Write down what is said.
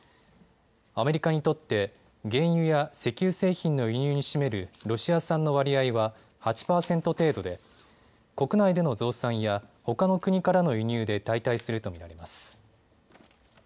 アメリカにとって原油や石油製品の輸入に占めるロシア産の割合は８％程度で国内での増産やほかの国からの輸入で代替すると見られます。